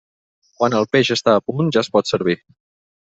Quan el peix està al punt, ja es pot servir.